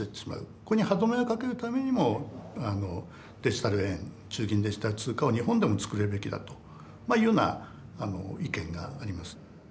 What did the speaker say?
これに歯止めをかけるためにもデジタル円中銀デジタル通貨は日本でも作るべきだというような意見があります。